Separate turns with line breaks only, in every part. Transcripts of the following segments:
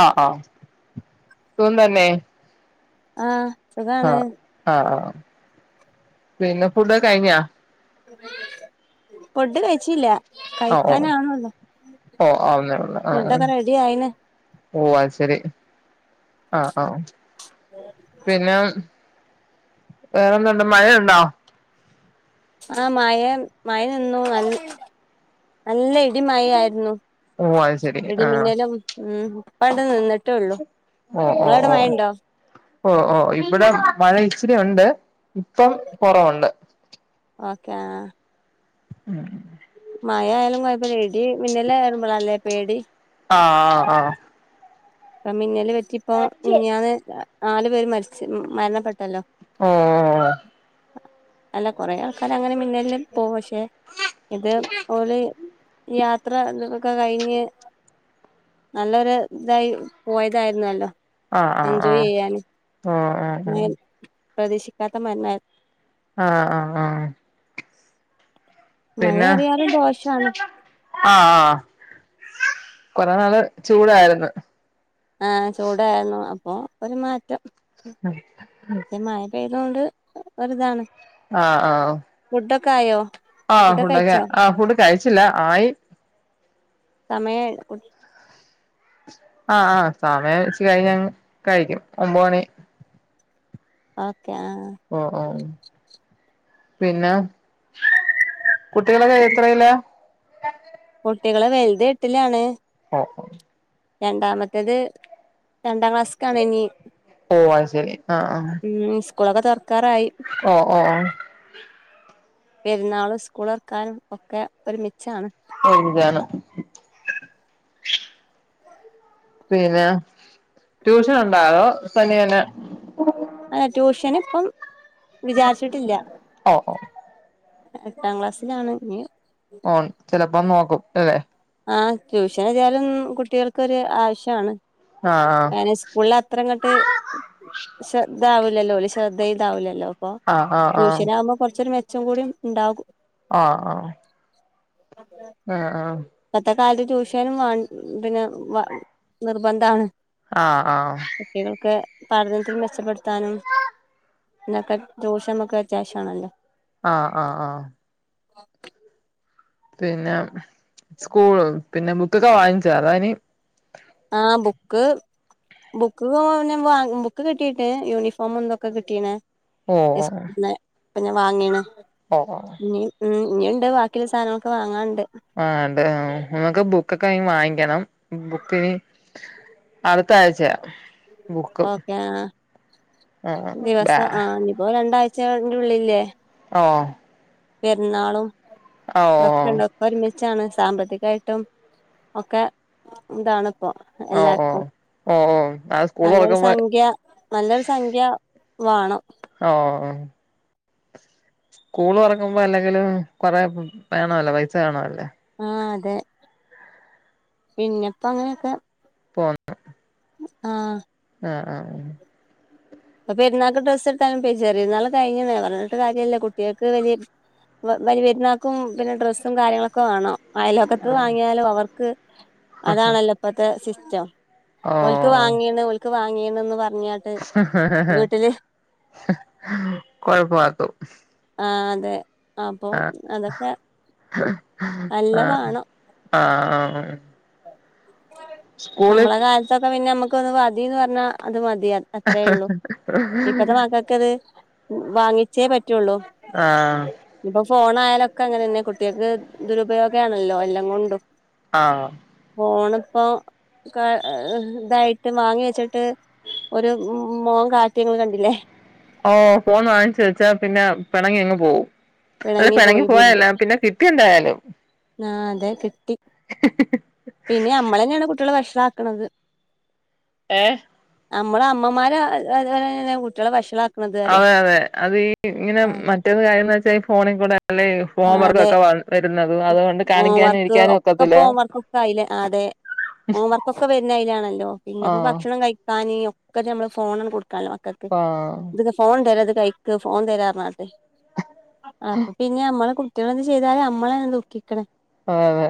ആഹ് ആഹ് സുഖം തന്നെ
ആഹ് സുഖാണ്
ആഹ് ആഹ് പിന്നെ ഫുഡ്ക്കെ കഴിഞ്ഞാ
ഫുഡ് കഴിച്ചില്ല
ഓ ഓ
കഴിക്കാനാവ്ണൊള്ളു
ഓ ആവുന്നേ
ഫുഡൊക്കെ റെഡി ആയിണ്.
ഓഹ് അത് ശെരി ആഹ് ആഹ് പിന്നെ വേറെന്ത്ണ്ട് മഴഴുണ്ടോ
ആഹ് മയ മയ നിന്നു അൽ നല്ല ഇടിമഴെ ആയിരുന്നു.
ഓ അത് ശരി ആഹ്
ഇടിമിന്നലും ഉം ഇപണ്ട് നിന്നിട്ട് റ്റൊള്ളൂ ഇങ്ങള ഔടെ മഴണ്ടോ
ഒഹ് ഓഹ് ഇവടെ മഴ ഇച്ചിരിയുണ്ട് ഇപ്പം കൊറവുണ്ട്
ഓക്കെ ആഹ്
ഉം
മഴ ആയാലും കോയപ്പല. ഇടി മിന്നലെ ഏറുമ്പെളെല്ലേ പേടി.
ആഹ് ആഹ് ആഹ്
ഇപ്പ മിന്നല് പറ്റി ഇപ്പൊം മിഞ്ഞാന്ന് നാല് പേര് മര്ച്ച് മരണപ്പെട്ടല്ലോ
ഓഹ്
അല്ല കൊറേ ആൾക്കാർ അങ്ങനെ മിന്നൽന് പോവും പക്ഷെ ഇത് ഓല് യാത് അത്ര ഇതൊത്ക്കെ കഴിഞ്ഞ് നല്ലൊരു ഇതായി പോയതായിര്ന്നല്ലോ.
ആഹ് ആഹ്
എൻജോയ്
ആഹ്
ചെയ്യാന്.
ഓ ആഹ് ആഹ്
പ്രതീക്ഷിക്കാത്ത മരണ
ആഹ് ആഹ് ആഹ്
മഴ
പിന്നെ
എറിയാലും ദോഷാണ്
ആഹ് ആഹ് കൊറേ നാള് ചൂടായിരുന്നു.
ആഹ് ചൂടായിരുന്നു അപ്പോ ഒരു മാറ്റം.
അഹ്
[unintelligible] മഴ പെയ്തോണ്ട് ഒര്താണ്
ആഹ് ആഹ്
ഫുഡൊക്കെ ആയോ
ആഹ് ഫുഡൊക്കെ ആഹ് ഫുഡ് കഴിച്ചില്ല ആയി.
സമയായി കുട്ട്
ആഹ് ആഹ് സമയം വെച്ച് കഴിഞ്ഞങ് കഴിക്കും ഒമ്പ [unintelligible] മണി
ഓക്കെ ആഹ്
ഓഹ് ഓഹ് പിന്നെ കുട്ടികളൊക്കെ എത്രയിലാ
കുട്ടികള് വെൽത് എട്ട്ലാണ്.
ഒഹ് ഓഹ്
രണ്ടാമെത്തേത് രണ്ടാം ക്ലാസ് ക്കാണ് ഇനി
ഓ അത് ശരി ആഹ് ആഹ്
ഉം സ് കൂളൊക്കെ തൊർക്കാറായി
ഓ ഓ ഓ
പെര്ന്നാളും സ്കൂളൊർക്കാനും ഒക്കെ ഒരുമിച്ചാണ്.
ഒര്മിച്ചാണ് പിന്നെ ട്യൂഷൻ ഉണ്ടോ അതൊ തനിയെ തന്നെ
ഏഹ് ഹേ ട്യൂഷന് ഇപ്പം വിചാര്ച്ചിട്ടില്ല്യ
ഓഹ് ഓഹ്
എട്ടാം ക്ലാസ്സിലാണ് ഇഞ്ഞ്.
ഓൺ ചെലപ്പം നോക്കും അല്ലെ.
ആഹ് ട്യൂഷൻ എതായാലും കുട്ടികൾക്കൊര് ആവശ്യാണ്
ആഹ്
ഒനെ സ് ക്കൂൾള് അത്ര ഇങ്ങട്ട് ശ്രദ്ധ ആവില്ലല്ലോ ഓല് ശ്രദ്ധ ചെയ്താവില്ലല്ലോ അപ്പൊ
ആഹ് ആഹ്
ട്യൂഷനാകുമ്പ കൊർച്ചൊരു മെച്ചം കൂടി ഇണ്ടാകും.
ആഹ് ആഹ്
അതെ
ആഹ് ആഹ്
പ്പത്തെ കാലത്ത് ട്യൂഷനും വാ പിന്നെ വ നിർബന്ധാണ്
ആഹ് ആഹ്
ട്ടികൾക്ക് പഠനത്തിൽ മെച്ചപ്പെട്ത്താനും ഇന്നൊക്കെ ട്യൂഷനൊക്കെ അത്യാവിശ്യാണല്ലോ
ആഹ് ആഹ് ആഹ്
ഓ [unintelligible]
പിന്നെ സ്കൂള് പിന്നെ ബുക്കൊക്കെ വാങ്ങിച്ചോ അതോ ഇനി
ആഹ് ബുക്ക് ബുക്ക് ക്കൊക്കെ വാ പിന്നെ വാങ്ങ് ബുക്ക് കിട്ടീട്ട് യൂണിഫോമും തൊക്കെ കിട്ടീണ്
ഓ
ഇസ്കൂൾന്ന് അപ്പൊ ഞാൻ വാങ്ങീണ്
ഓഹ് ഓഹ് ഏഹ്
ഇനിയിം ഉം ഇനിയുണ്ട് ബാക്കിയുള്ള സാധനങ്ങളൊക്കെ വാങ്ങാൻണ്ട്
ആഹ് ഇണ്ട് ഉം അമ്മക്ക് ബുക്കക്കെ ഇനി വാങ്ങിക്കണം ബുക്കിന് അട്ത്ത ആഴ്ചയാ ബുക്ക്
ഓക്കെ ആഹ്
ആ ബാ
ദിവസം ആഹ് ഇനി പ്പൊ രണ്ടാഴ്ച ന്റെ ഉള്ളിൽല്ലേ
ആഹ്
പെര്ന്നാളും
ഓ
ഇതൊക്കെണ്ട് ഒ ക്കെ ഒരുമിച്ചാണ് സാമ്പത്തികായിട്ടും ഒക്കെ ഇതാണ് പ്പൊ
ഓ ഓ
എല്ലാർക്കും
ഓ ഓ അത് സ്കൂൾ
നല്ലൊരു
തുറക്കുമ്പോ
സംഖ്യ നല്ലൊരു സംഖ്യ വാണം
ഓഹ് ഉം സ്കൂള് തൊറക്കുമ്പ അല്ലെങ്കിലും കൊറെ വേണവല്ലോ പൈസ വേണ വല്ലോ
ആഹ് അതെ പിന്നെപ്പൊ അങ്ങനെയൊക്കെ
പോന്ന്
ആഹ്
ആഹ് ആഹ് ആഹ്
ഇപ്പൊ പെരുന്നാൾക്ക് ഡ്രസ്സ് എടുത്താലും പെ ചെറിയര്ന്നാൾ കയിഞ്ഞേ പറഞ്ഞിട്ട് കാര്യല്ല കുട്ടിയക്ക് വലിയ വലി പെരുന്നാക്കും പിന്നെ ഡ്രസ്സും കാര്യങ്ങളൊക്കെ വേണം അയലോക്കത്ത് വാങ്ങിയാലും അവർക്ക് അതാണല്ലോ ഇപ്പത്തെ സിസ്റ്റം
ആ ഓ
ഓൽക്ക് വാങ്ങീണ് ഓൽക്ക് വാങ്ങീണ് ന്ന് പറഞ്ഞാൻട്ട്
ഹ ഹ ഹ കൊഴപ്പാക്കും
ആഹ് അതെ അപ്പം അതൊക്കെ നല്ല വാണം
ആഹ് ആഹ് ആഹ്
നമ്മളെ കാലത്തൊക്കെ പിന്നെ നമ്മക്ക് മതീന്ന് പറഞ്ഞാ അത് മതിയാർന്നു അത്രേള്ളൂ ഇപ്പത്തെ മക്കക്കത് വാങ്ങിച്ചേ പറ്റുള്ളൂ
ആഹ്
ഇനി ഇപ്പൊ ഫോൺ ആയാലൊക്കെ അങ്ങനന്നെ കുട്ടിയാക്ക് ദുരുപയോഗ ആണല്ലോ എല്ലം കൊണ്ടും
ആഹ്
ഫോണ് ഇപ്പോ ക്കെ ഇതായിട്ട് വാങ്ങി വെച്ചിട്ട് ഒരു മോൻ കാട്ടിയെങ്ങള് കണ്ടില്ലേ
ഓഹ് ഫോൺ വാങ്ങിച്ച് വെച്ചാ പിന്നാ പെണങ്ങി അങ്ങ് പോകും അല്ല പിണങ്ങി
പോയി ബിൽഡ്
പോയല്ല പിന്നെ കിട്ടി എന്തായാലും
ആ അതെ കിട്ടി പിന്നെ അമ്മളന്നെയാണ് കുട്ടിയാള വഷളാക്ക്ണത്
ഏഹ്
നമ്മള് അമ്മമാര് കുട്ടിയാള വഷളാ
അതെ അതെ അത് ഈ ഇങ്ങനെ മറ്റേത് കാര്യംന്ന് വെച്ചാ ഫോണിൽ കൂടെ അല്ലേ ഹോം
ആ
വർക്ക്
അതെ
ഒക്കെ വ വരുന്നത് അതുകൊണ്ട് കാണിക്കാനും
ഹോംവർക്ക്
ഇരിക്കാനും
ഒക്കെ
ഒക്കത്തില്ല
ഇപ്പോ ഹോംവർക്കൊക്കെ വര്ണ അയ്ലാണല്ലോ പിന്നെപ്പോ
ആഹ്
ഭക്ഷണം കഴിക്കാന് ഒ - ക്കത്തിനും നമ്മള് ഫോണണ് കൊടുക്കാല്ലോ മക്കക്ക്
ആഹ്
ഇത് ഫോൺ തരാത് കൈക്ക് ഫോൺ തരാന്നർഞ്കാട്ട് അപ്പൊ പിന്നെ നമ്മളെ കുട്ടികള് എന്ത് ചെയ്താലും നമ്മളെന്നെ ദുഖിക്ക്‌ണ്
ആഹ് അതെ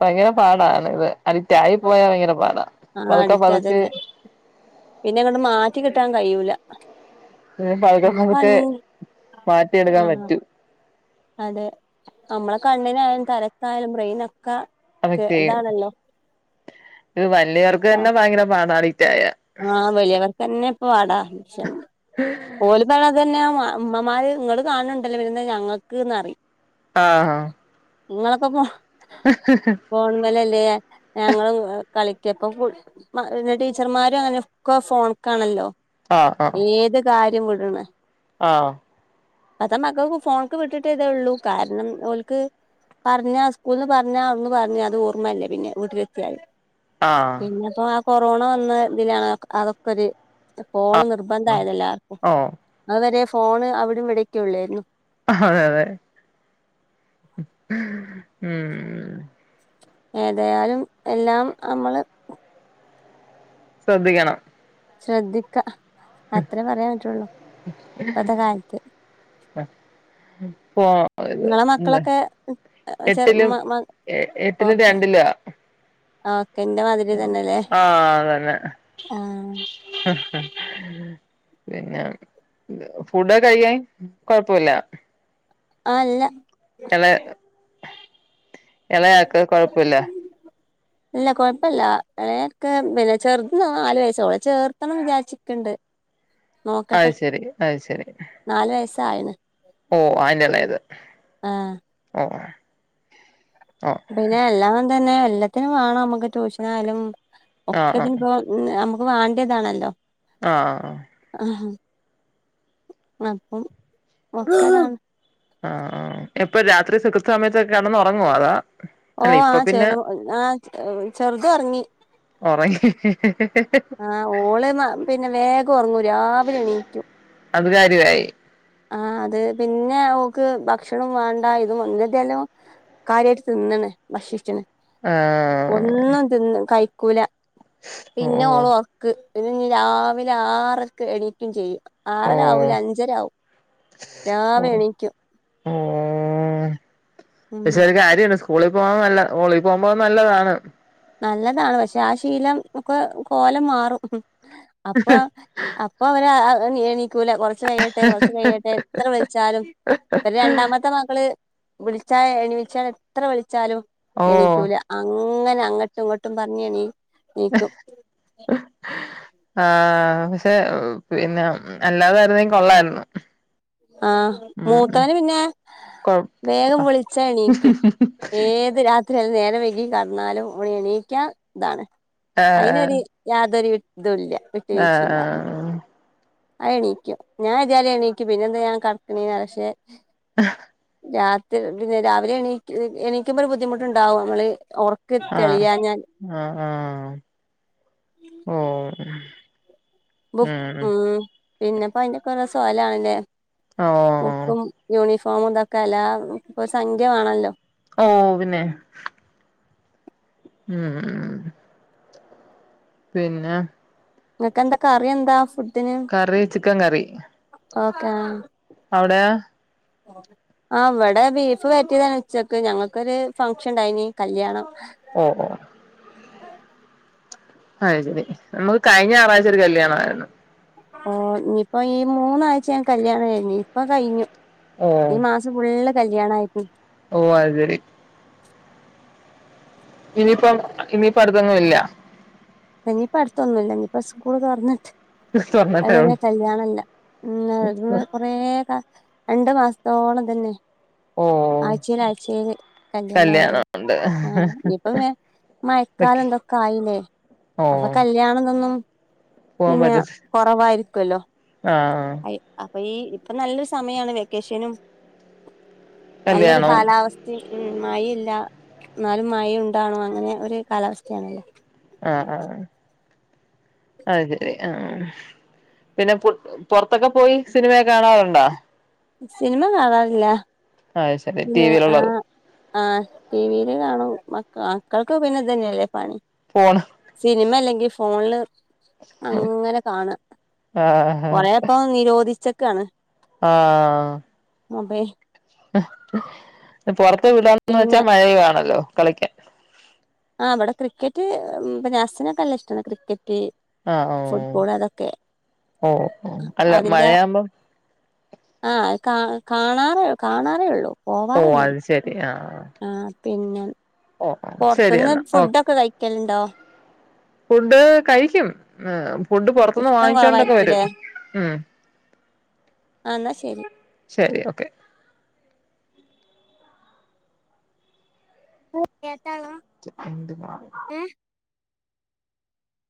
ഭയങ്കര പാടാണ് ഇത് അടിക്റ്റായി പോയാ ഭയങ്കര പാടാ പതുക്കെ പതുക്കെ
പിന്നെങ്ങട്ട് മാറ്റി കിട്ടാൻ കഴിയൂല
പിന്നെ പതുക്കെ
നമ്മളെ
പതുക്കെ
കണ്ണ്
മാറ്റിയെടുക്കാൻ
ആഹ്
പറ്റൂ
അതെ നമ്മളെ കണ്ണിനായാലും തലക്കായാലും ബ്രെയിനൊക്കെ ക്ക്
എഫക്ട് ചെയും
ഇതാണല്ലോ
ഇത് വലിയവർക്ക്
ആഹ്
തന്നെ ഭയങ്കര പാട അടിറ്റായ
ആഹ് വെലിയവർക്ക് തന്നെ പാട ഇപ്പൊ ണീച്ചാന് ഓല്ന്നാണത് തന്നെ ഉമ്മമാര് ഇങ്ങള് കാണ് ണണ്ടല്ലോ പിന്നെന്താ ഞങ്ങക്ക്ന്ന് പറിയും
ആഹ് ഹാ
നിങ്ങളൊക്കെ പോ
ഹ് ഹ് ഹ
ഫോൺമലല്ലേ ഞങ്ങളും കളിക്കപ്പ ടീച്ചർമാര് രും അങ്ങനെ ഒക്കെ ഫോണ്ക്കാണല്ലോ
ആഹ്
ഏത് കാര്യം വിട്ണ്
ആഹ്
അത മക്കക്ക്‌ ഫോൺക്ക് വിട്ടിട്ടേതേ ഉള്ളൂ കാരണം ഓല്ക്ക് പറഞ്ഞ സ്കൂൾന്ന് പറഞ്ഞാ ഒന്ന് പറഞ് അത് ഓർമ്മല്ല പിന്നെ വീട്ടിലെത്തിയാല് പിന്നെപ്പോ ആ കൊറോണ വന്ന ഇതിലാണ് അതൊക്കെ ഒരു ഫോൺ
ആഹ്
നിർ-
ആഹ്
ബന്ധായത് എല്ലാർക്കും
ഓ
അത് വരെയും ഫോണ് അവിടെയും ഇവിടെയും ഒക്കെ ഉള്ളായിരുന്നു
അതെ അതെ ഉം
ഏതായാലും എല്ലാം നമ്മള്
ശ്രദ്ധിക്കണം
ശ്രദ്ധിക്ക അത്രയേ പറയാൻ പറ്റൂള്ളൂ ഇപ്പത്തെ കാലത്ത്
ഇപ്പൊ അതെ
നിങ്ങളെ
എന്താ
മക്കളൊക്കെ ചെറു
എട്ടിലും എട്ടിലും രണ്ടിലുവാ
ഓക്ക് എന്റെ മാതി
ആഹ് അത് തന്നെ
ആഹ്
പിന്നെ ഫുഡ് ഒക്കെ കഴിക്കാൻ കൊഴപ്പവില്ല
ആഹ് ഇല്ല
എള എളയ ആൾക്ക്‌ കൊഴപ്പവില്ല
ഇല്ല കൊഴപ്പവില്ല എളയ ആക്ക് പിന്നെ ചെറുത് നാല് വയസ് ഓളെ ചേർത്തണം വിചാരിച്ച് ഇരിക്കണുണ്ട്
അത് ശരി അത് ശരി
നാല് വയസ്സായിണ്
ഓഹ് അതിന്റെ എളേത്
ആഹ്
ഓഹ് ഓഹ്
പിന്നെ എല്ലാം തന്നെ എല്ലാത്തിനും വേണം നമ്മുക്ക് ട്യൂഷനായാലും
ആഹ്
ഒക്കത്തിന്
ആഹ്
ഇപ്പോ ഉം നമുക്ക് വേണ്ടിയതാണല്ലോ
ആഹ്
ആഹ് അപ്പം ഒക്കെ
ആഹ് എപ്പൊ രാത്രി സുബ്‌ഹ് സമയത്തൊക്കെ കെടന്ന് ഉറങ്ങുവൊ അതോ
ഓഹ് ആ ചെറു ആ ചെറുത് ഒറങ്ങി
ഒറങ്ങി
ആഹ് ഓള് പിന്നെ വേഗം ഒറങ്ങും രാവിലെ എണീക്കും
അത് കാര്യവായി
ആഹ് അത് പിന്നെ ഓക്ക് ഭക്ഷണം വേണ്ട ഇതും എന്നതേലും കാര്യായിട്ട് തിന്നണ് ഭക്ഷിച്ചണ്
ആഹ്
ഒന്നും തിന്ന് കഴിക്കൂല പിന്നെ
ഓ
ഓള് ഒ ക്ക്‌ പിന്നെ ഇനി രാവിലെ ആറരക്ക് എണിക്കുവേയും ചെയ്യും
ഓ
ആറര ആവൂല അഞ്ചര ആവും രാവിലെ എണിക്കും
ഉം
ഉം
പക്ഷെ ഒരു കാര്യം ഉണ്ട് സ്കൂളിൽ പോകാൻ നല്ല സ്കൂളിൽ പോകുമ്പോ നല്ലതാണ്
നല്ലതാണ് പക്ഷെ ആ ശീലം ഒക്കെ കോലം മാറും അപ്പൊ അപ്പൊ അവര് എണീക്കൂല കൊറച്ച് കഴിയട്ടെ കൊറച്ച് കഴിയട്ടെ എത്ര വിളിച്ചാലും പിന്നെ രണ്ടാമത്തെ മകള് വിളിച്ചാ എണിച്ചാൻ എത്ര വിളിച്ചാലും
ഓ
എണിക്കൂല അങ്ങനെ അങ്ങട്ടും ഇങ്ങട്ടും പറഞ്ഞ് എണീക്കും
ആഹ് പക്ഷെ പിന്നെ അല്ലാതായിരുന്നെങ്കിൽ കൊള്ളായിരുന്നു
ആഹ്
ഉം ഉം
മൂത്തവന് പിന്നെ
കൊ
വേഗം വിളിച്ചാ എണീക്കും ഏത് രാ എത്ര ആയാലും നേരം വൈകി കിടന്നാലും ഓന് എണീക്കാൻ ഇതാണ്
ഏ
അയ്നൊര് യാതൊരു ഇതും ഇല്ല
ആഹ് ആഹ് ആഹ്
ആഹ് എണീക്കും ഞാൻ ഇതേപോലെ എണീക്കും പിന്നെന്താ ഞാൻ കെടക്കണെ പക്ഷെ രാത്രി പിന്നെ രാവിലെ എണിക്ക് എണീക്കുമ്പോ ഒരു ബുദ്ധിമുട്ടുണ്ടാവും നമ്മള് ഒറ ക്ക് തെളിയാഞ്ഞാൽ
ആഹ് ആഹ് ഓ
ബു ഉം പിന്നെപ്പോ അയ്ന്റെക്കൊരൊ സ്ഥലാണല്ലേ
ആഹ്
ബുക്കും യൂണിഫോമും ഇതൊക്കെ എല്ലാം ഇപ്പ സംഖ്യ വാണല്ലോ
ഓഹ് പിന്നെ ഉം ഉം പിന്നെ
ഇങ്ങക്ക് എന്താ കറി എന്താ ഫുഡ്
കറി ചിക്കൻ കറി
ഓക്കെ
അവ്ടെയോ
പോണം ആഹ് ഇവടെ ബീഫ് വെര്റ്റ്യേതാണ് ഉച്ചക്ക് ഞങ്ങൾക്കൊരു ഫംഗ്ഷൻ ഇണ്ടായിനി കല്യാണം
ഓഹ് ഓഹ് അത് ശെരി നമക്ക് കഴിഞ്ഞ ഞായറാഴ്ച ഒര് കല്യാണമായിരുന്നു
ഓഹ് ഇഞ്പ്പ ഈ മൂന്നാഴ്ച ഞാങ്ങക്ക് കല്യാണം കഴിഞ് ഇപ്പ കഴിഞ്ഞു
ഓ
ഈ മാസ ഫുള്ള് കല്യാണം ആയിരിന്നു
ഓഹ് അത് ശെരി ഇനിയിപ്പം ഇനിയിപ്പ അടുതൊന്നും ഇല്ല
ഇനിപ്പ അട്ത്തൊന്നുല്ല ഇതിപ്പ സ്കൂള് തൊർന്ന്ട്ട്
തുറന്നിട്ടേ
അതെന്നെ
ഉള്ളൂ
കല്യാണല്ല ഉം അന്ന് വേക രണ്ട് മാസത്തോളം ഇതന്നെ
ഓ
ആഴ്ചേല് ആഴ്ചേല്
കല്യാണം
കല്യാണായിരുന്നു
ഉണ്ട്
ആഹ് ഇഞിപ്പ വെ
വെക്ക്
മഴക്കാലം ഇതൊക്കെ ആയില്ലേ അപ്പൊ കല്യാണം ഇതൊന്നും
പോവാംമ്പറ്റത്തി
കൊറവായിരിക്കൊല്ലോ
ആഹ് ആഹ്
എഹ് അപ്പൊ ഈ ഇപ്പൊ നല്ലൊരു സമയാണ് വെക്കേഷനും നല്ലൊരു
കല്യാണം
കാലാവസ് ഉം മഴ ഇല്ല ന്നാലും മഴണ്ടേനും അങ്ങനെ ഒര് കാലാവസ്ഥയാണല്ലേ
ആഹ് ആഹ് അത് ശെരി ആഹ് പിന്നെ പുട് പൊറ്ത്തൊക്കെ പോയി സിനിമയൊക്കെ കാണാറ്ണ്ടോ
സിനിമ കാണാറില്ല
അത് ശരി
പിന്നെ
ടിവിയിലുള്ളത്
ആഹ് ആഹ് ടിവീല് കാണും മക്ക മക്കൾക്ക് പിന്നെ ഇതന്നെല്ലേ പണി
ഫോണ്
സിനിമല്ലെങ്കി ഫോണില് അങ്ങനെ കാണ
ആഹ്
കൊറെ പ്പൊ നിരോധിച്ചക്കാണ്
ആഹ്
അതെ
പൊറത്ത് വിടാന്ന് വെച്ചാ
പിന്നെ
മഴെ ആണല്ലോ കളിക്ക്യാൻ
ആഹ് ഇവട ക്രിക്കറ്റ് ഉം അസ്സിനൊക്ക നല്ല ഇഷ്ടാണ് ക്രിക്കറ്റ്
ആഹ് ഓഹ്
ഫുട്ബോള് അതൊക്കെ
ഓഹ് ഓഹ് അല്ല
അതിന്റ
മഴയാവുമ്പം
ആഹ് കാ കാണാറേ കാണാറേ ഉള്ളൂ
ഓ
പോവാറൊന്നു
അത് ശരി ആഹ്
ആഹ് പിന്നെ
ഓ ശരി
പൊർത്ത്ന്ന്
എന്നാ ഓ
ഫുഡക്ക കഴിക്കല്ണ്ടോ
ഫുഡ് കഴിക്ക്യും മെ ഫുഡ് പൊറത്ത്ന്ന്
ഇഷ്ടം
വാങ്ങിച്ചോണ്ടെക്ക വരും
കുറവായിരിക്കുംല്ലേ
ഉം
ആന്നാ ശരി
ശരി ഓക്കെ
[unintelligible]
എന്ത് മാങ്ങ
ഏ